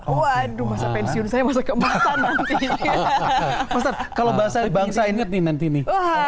waduh masa pensiun saya masa keemasan nanti